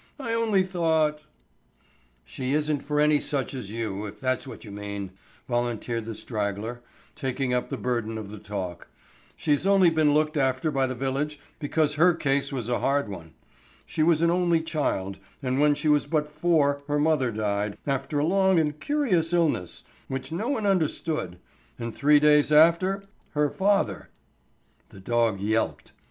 "I only thought——" "She isn't for any such as you, if that's what you mean," volunteered the straggler, taking up the burden of the talk. "She has been looked after by the village because her case was a hard one. She was an only child, and when she was but four her mother died, after a long and curious illness which no one understood, and three days after, her father—" The dog yelped.